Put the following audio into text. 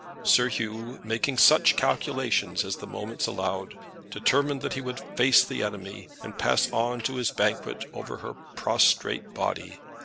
Sir Hugh, making such calculations as the moments allowed, determined that he would face the enemy, and pass on to his banquet over her prostrate body.